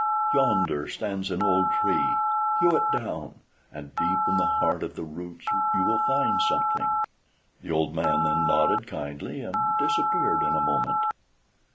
Yonder stands an old tree: hew it down, and deep in the heart of the roots you will find something." The old man then nodded kindly, and disappeared in a moment.